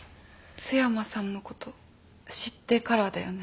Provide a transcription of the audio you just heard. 津山さんのこと知ってからだよね。